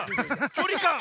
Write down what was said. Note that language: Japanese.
きょりかん！